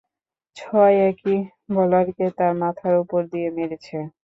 ছয়, একই বোলারকে, তার মাথার উপর দিয়ে মেরেছে।